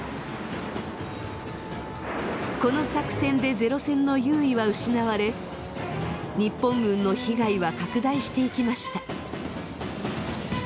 この作戦でゼロ戦の優位は失われ日本軍の被害は拡大していきました。